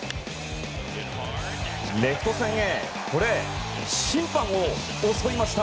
レフト線へ、審判を襲いました。